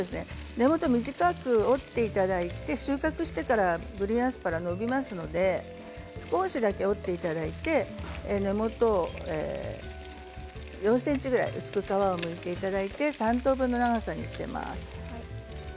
根元を短く折っていただいて、収穫してからグリーンアスパラは伸びますから少しだけを切っていただいて根元を４ｃｍぐらい薄く皮をむいていただいて３等分の長さにしています。